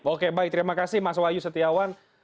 oke baik terima kasih mas wahyu setiawan